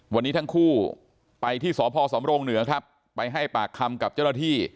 วันนี้ทั้งคู่ไปที่สพสำรงเหนือครับไปให้ปากคำกับเจ้าหน้าที่